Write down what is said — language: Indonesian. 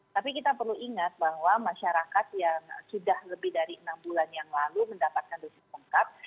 tapi kita perlu ingat bahwa masyarakat yang sudah lebih dari enam bulan yang lalu mendapatkan dosis lengkap